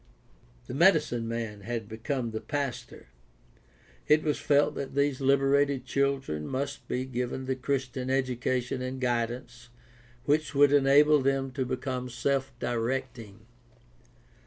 The medicine man had PRACTICAL THEOLOGY 629 become the pastor. It was felt that these liberated children must be given the Christian education and guidance which would enable them to become self directing.